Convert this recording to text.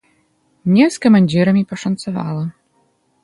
Мне з камандзірамі пашанцавала.